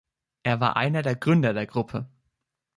Er war einer der Gründer der Gruppe.